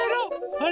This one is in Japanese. あれ？